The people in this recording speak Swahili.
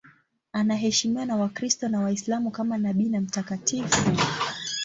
Anaheshimiwa na Wakristo na Waislamu kama nabii na mtakatifu.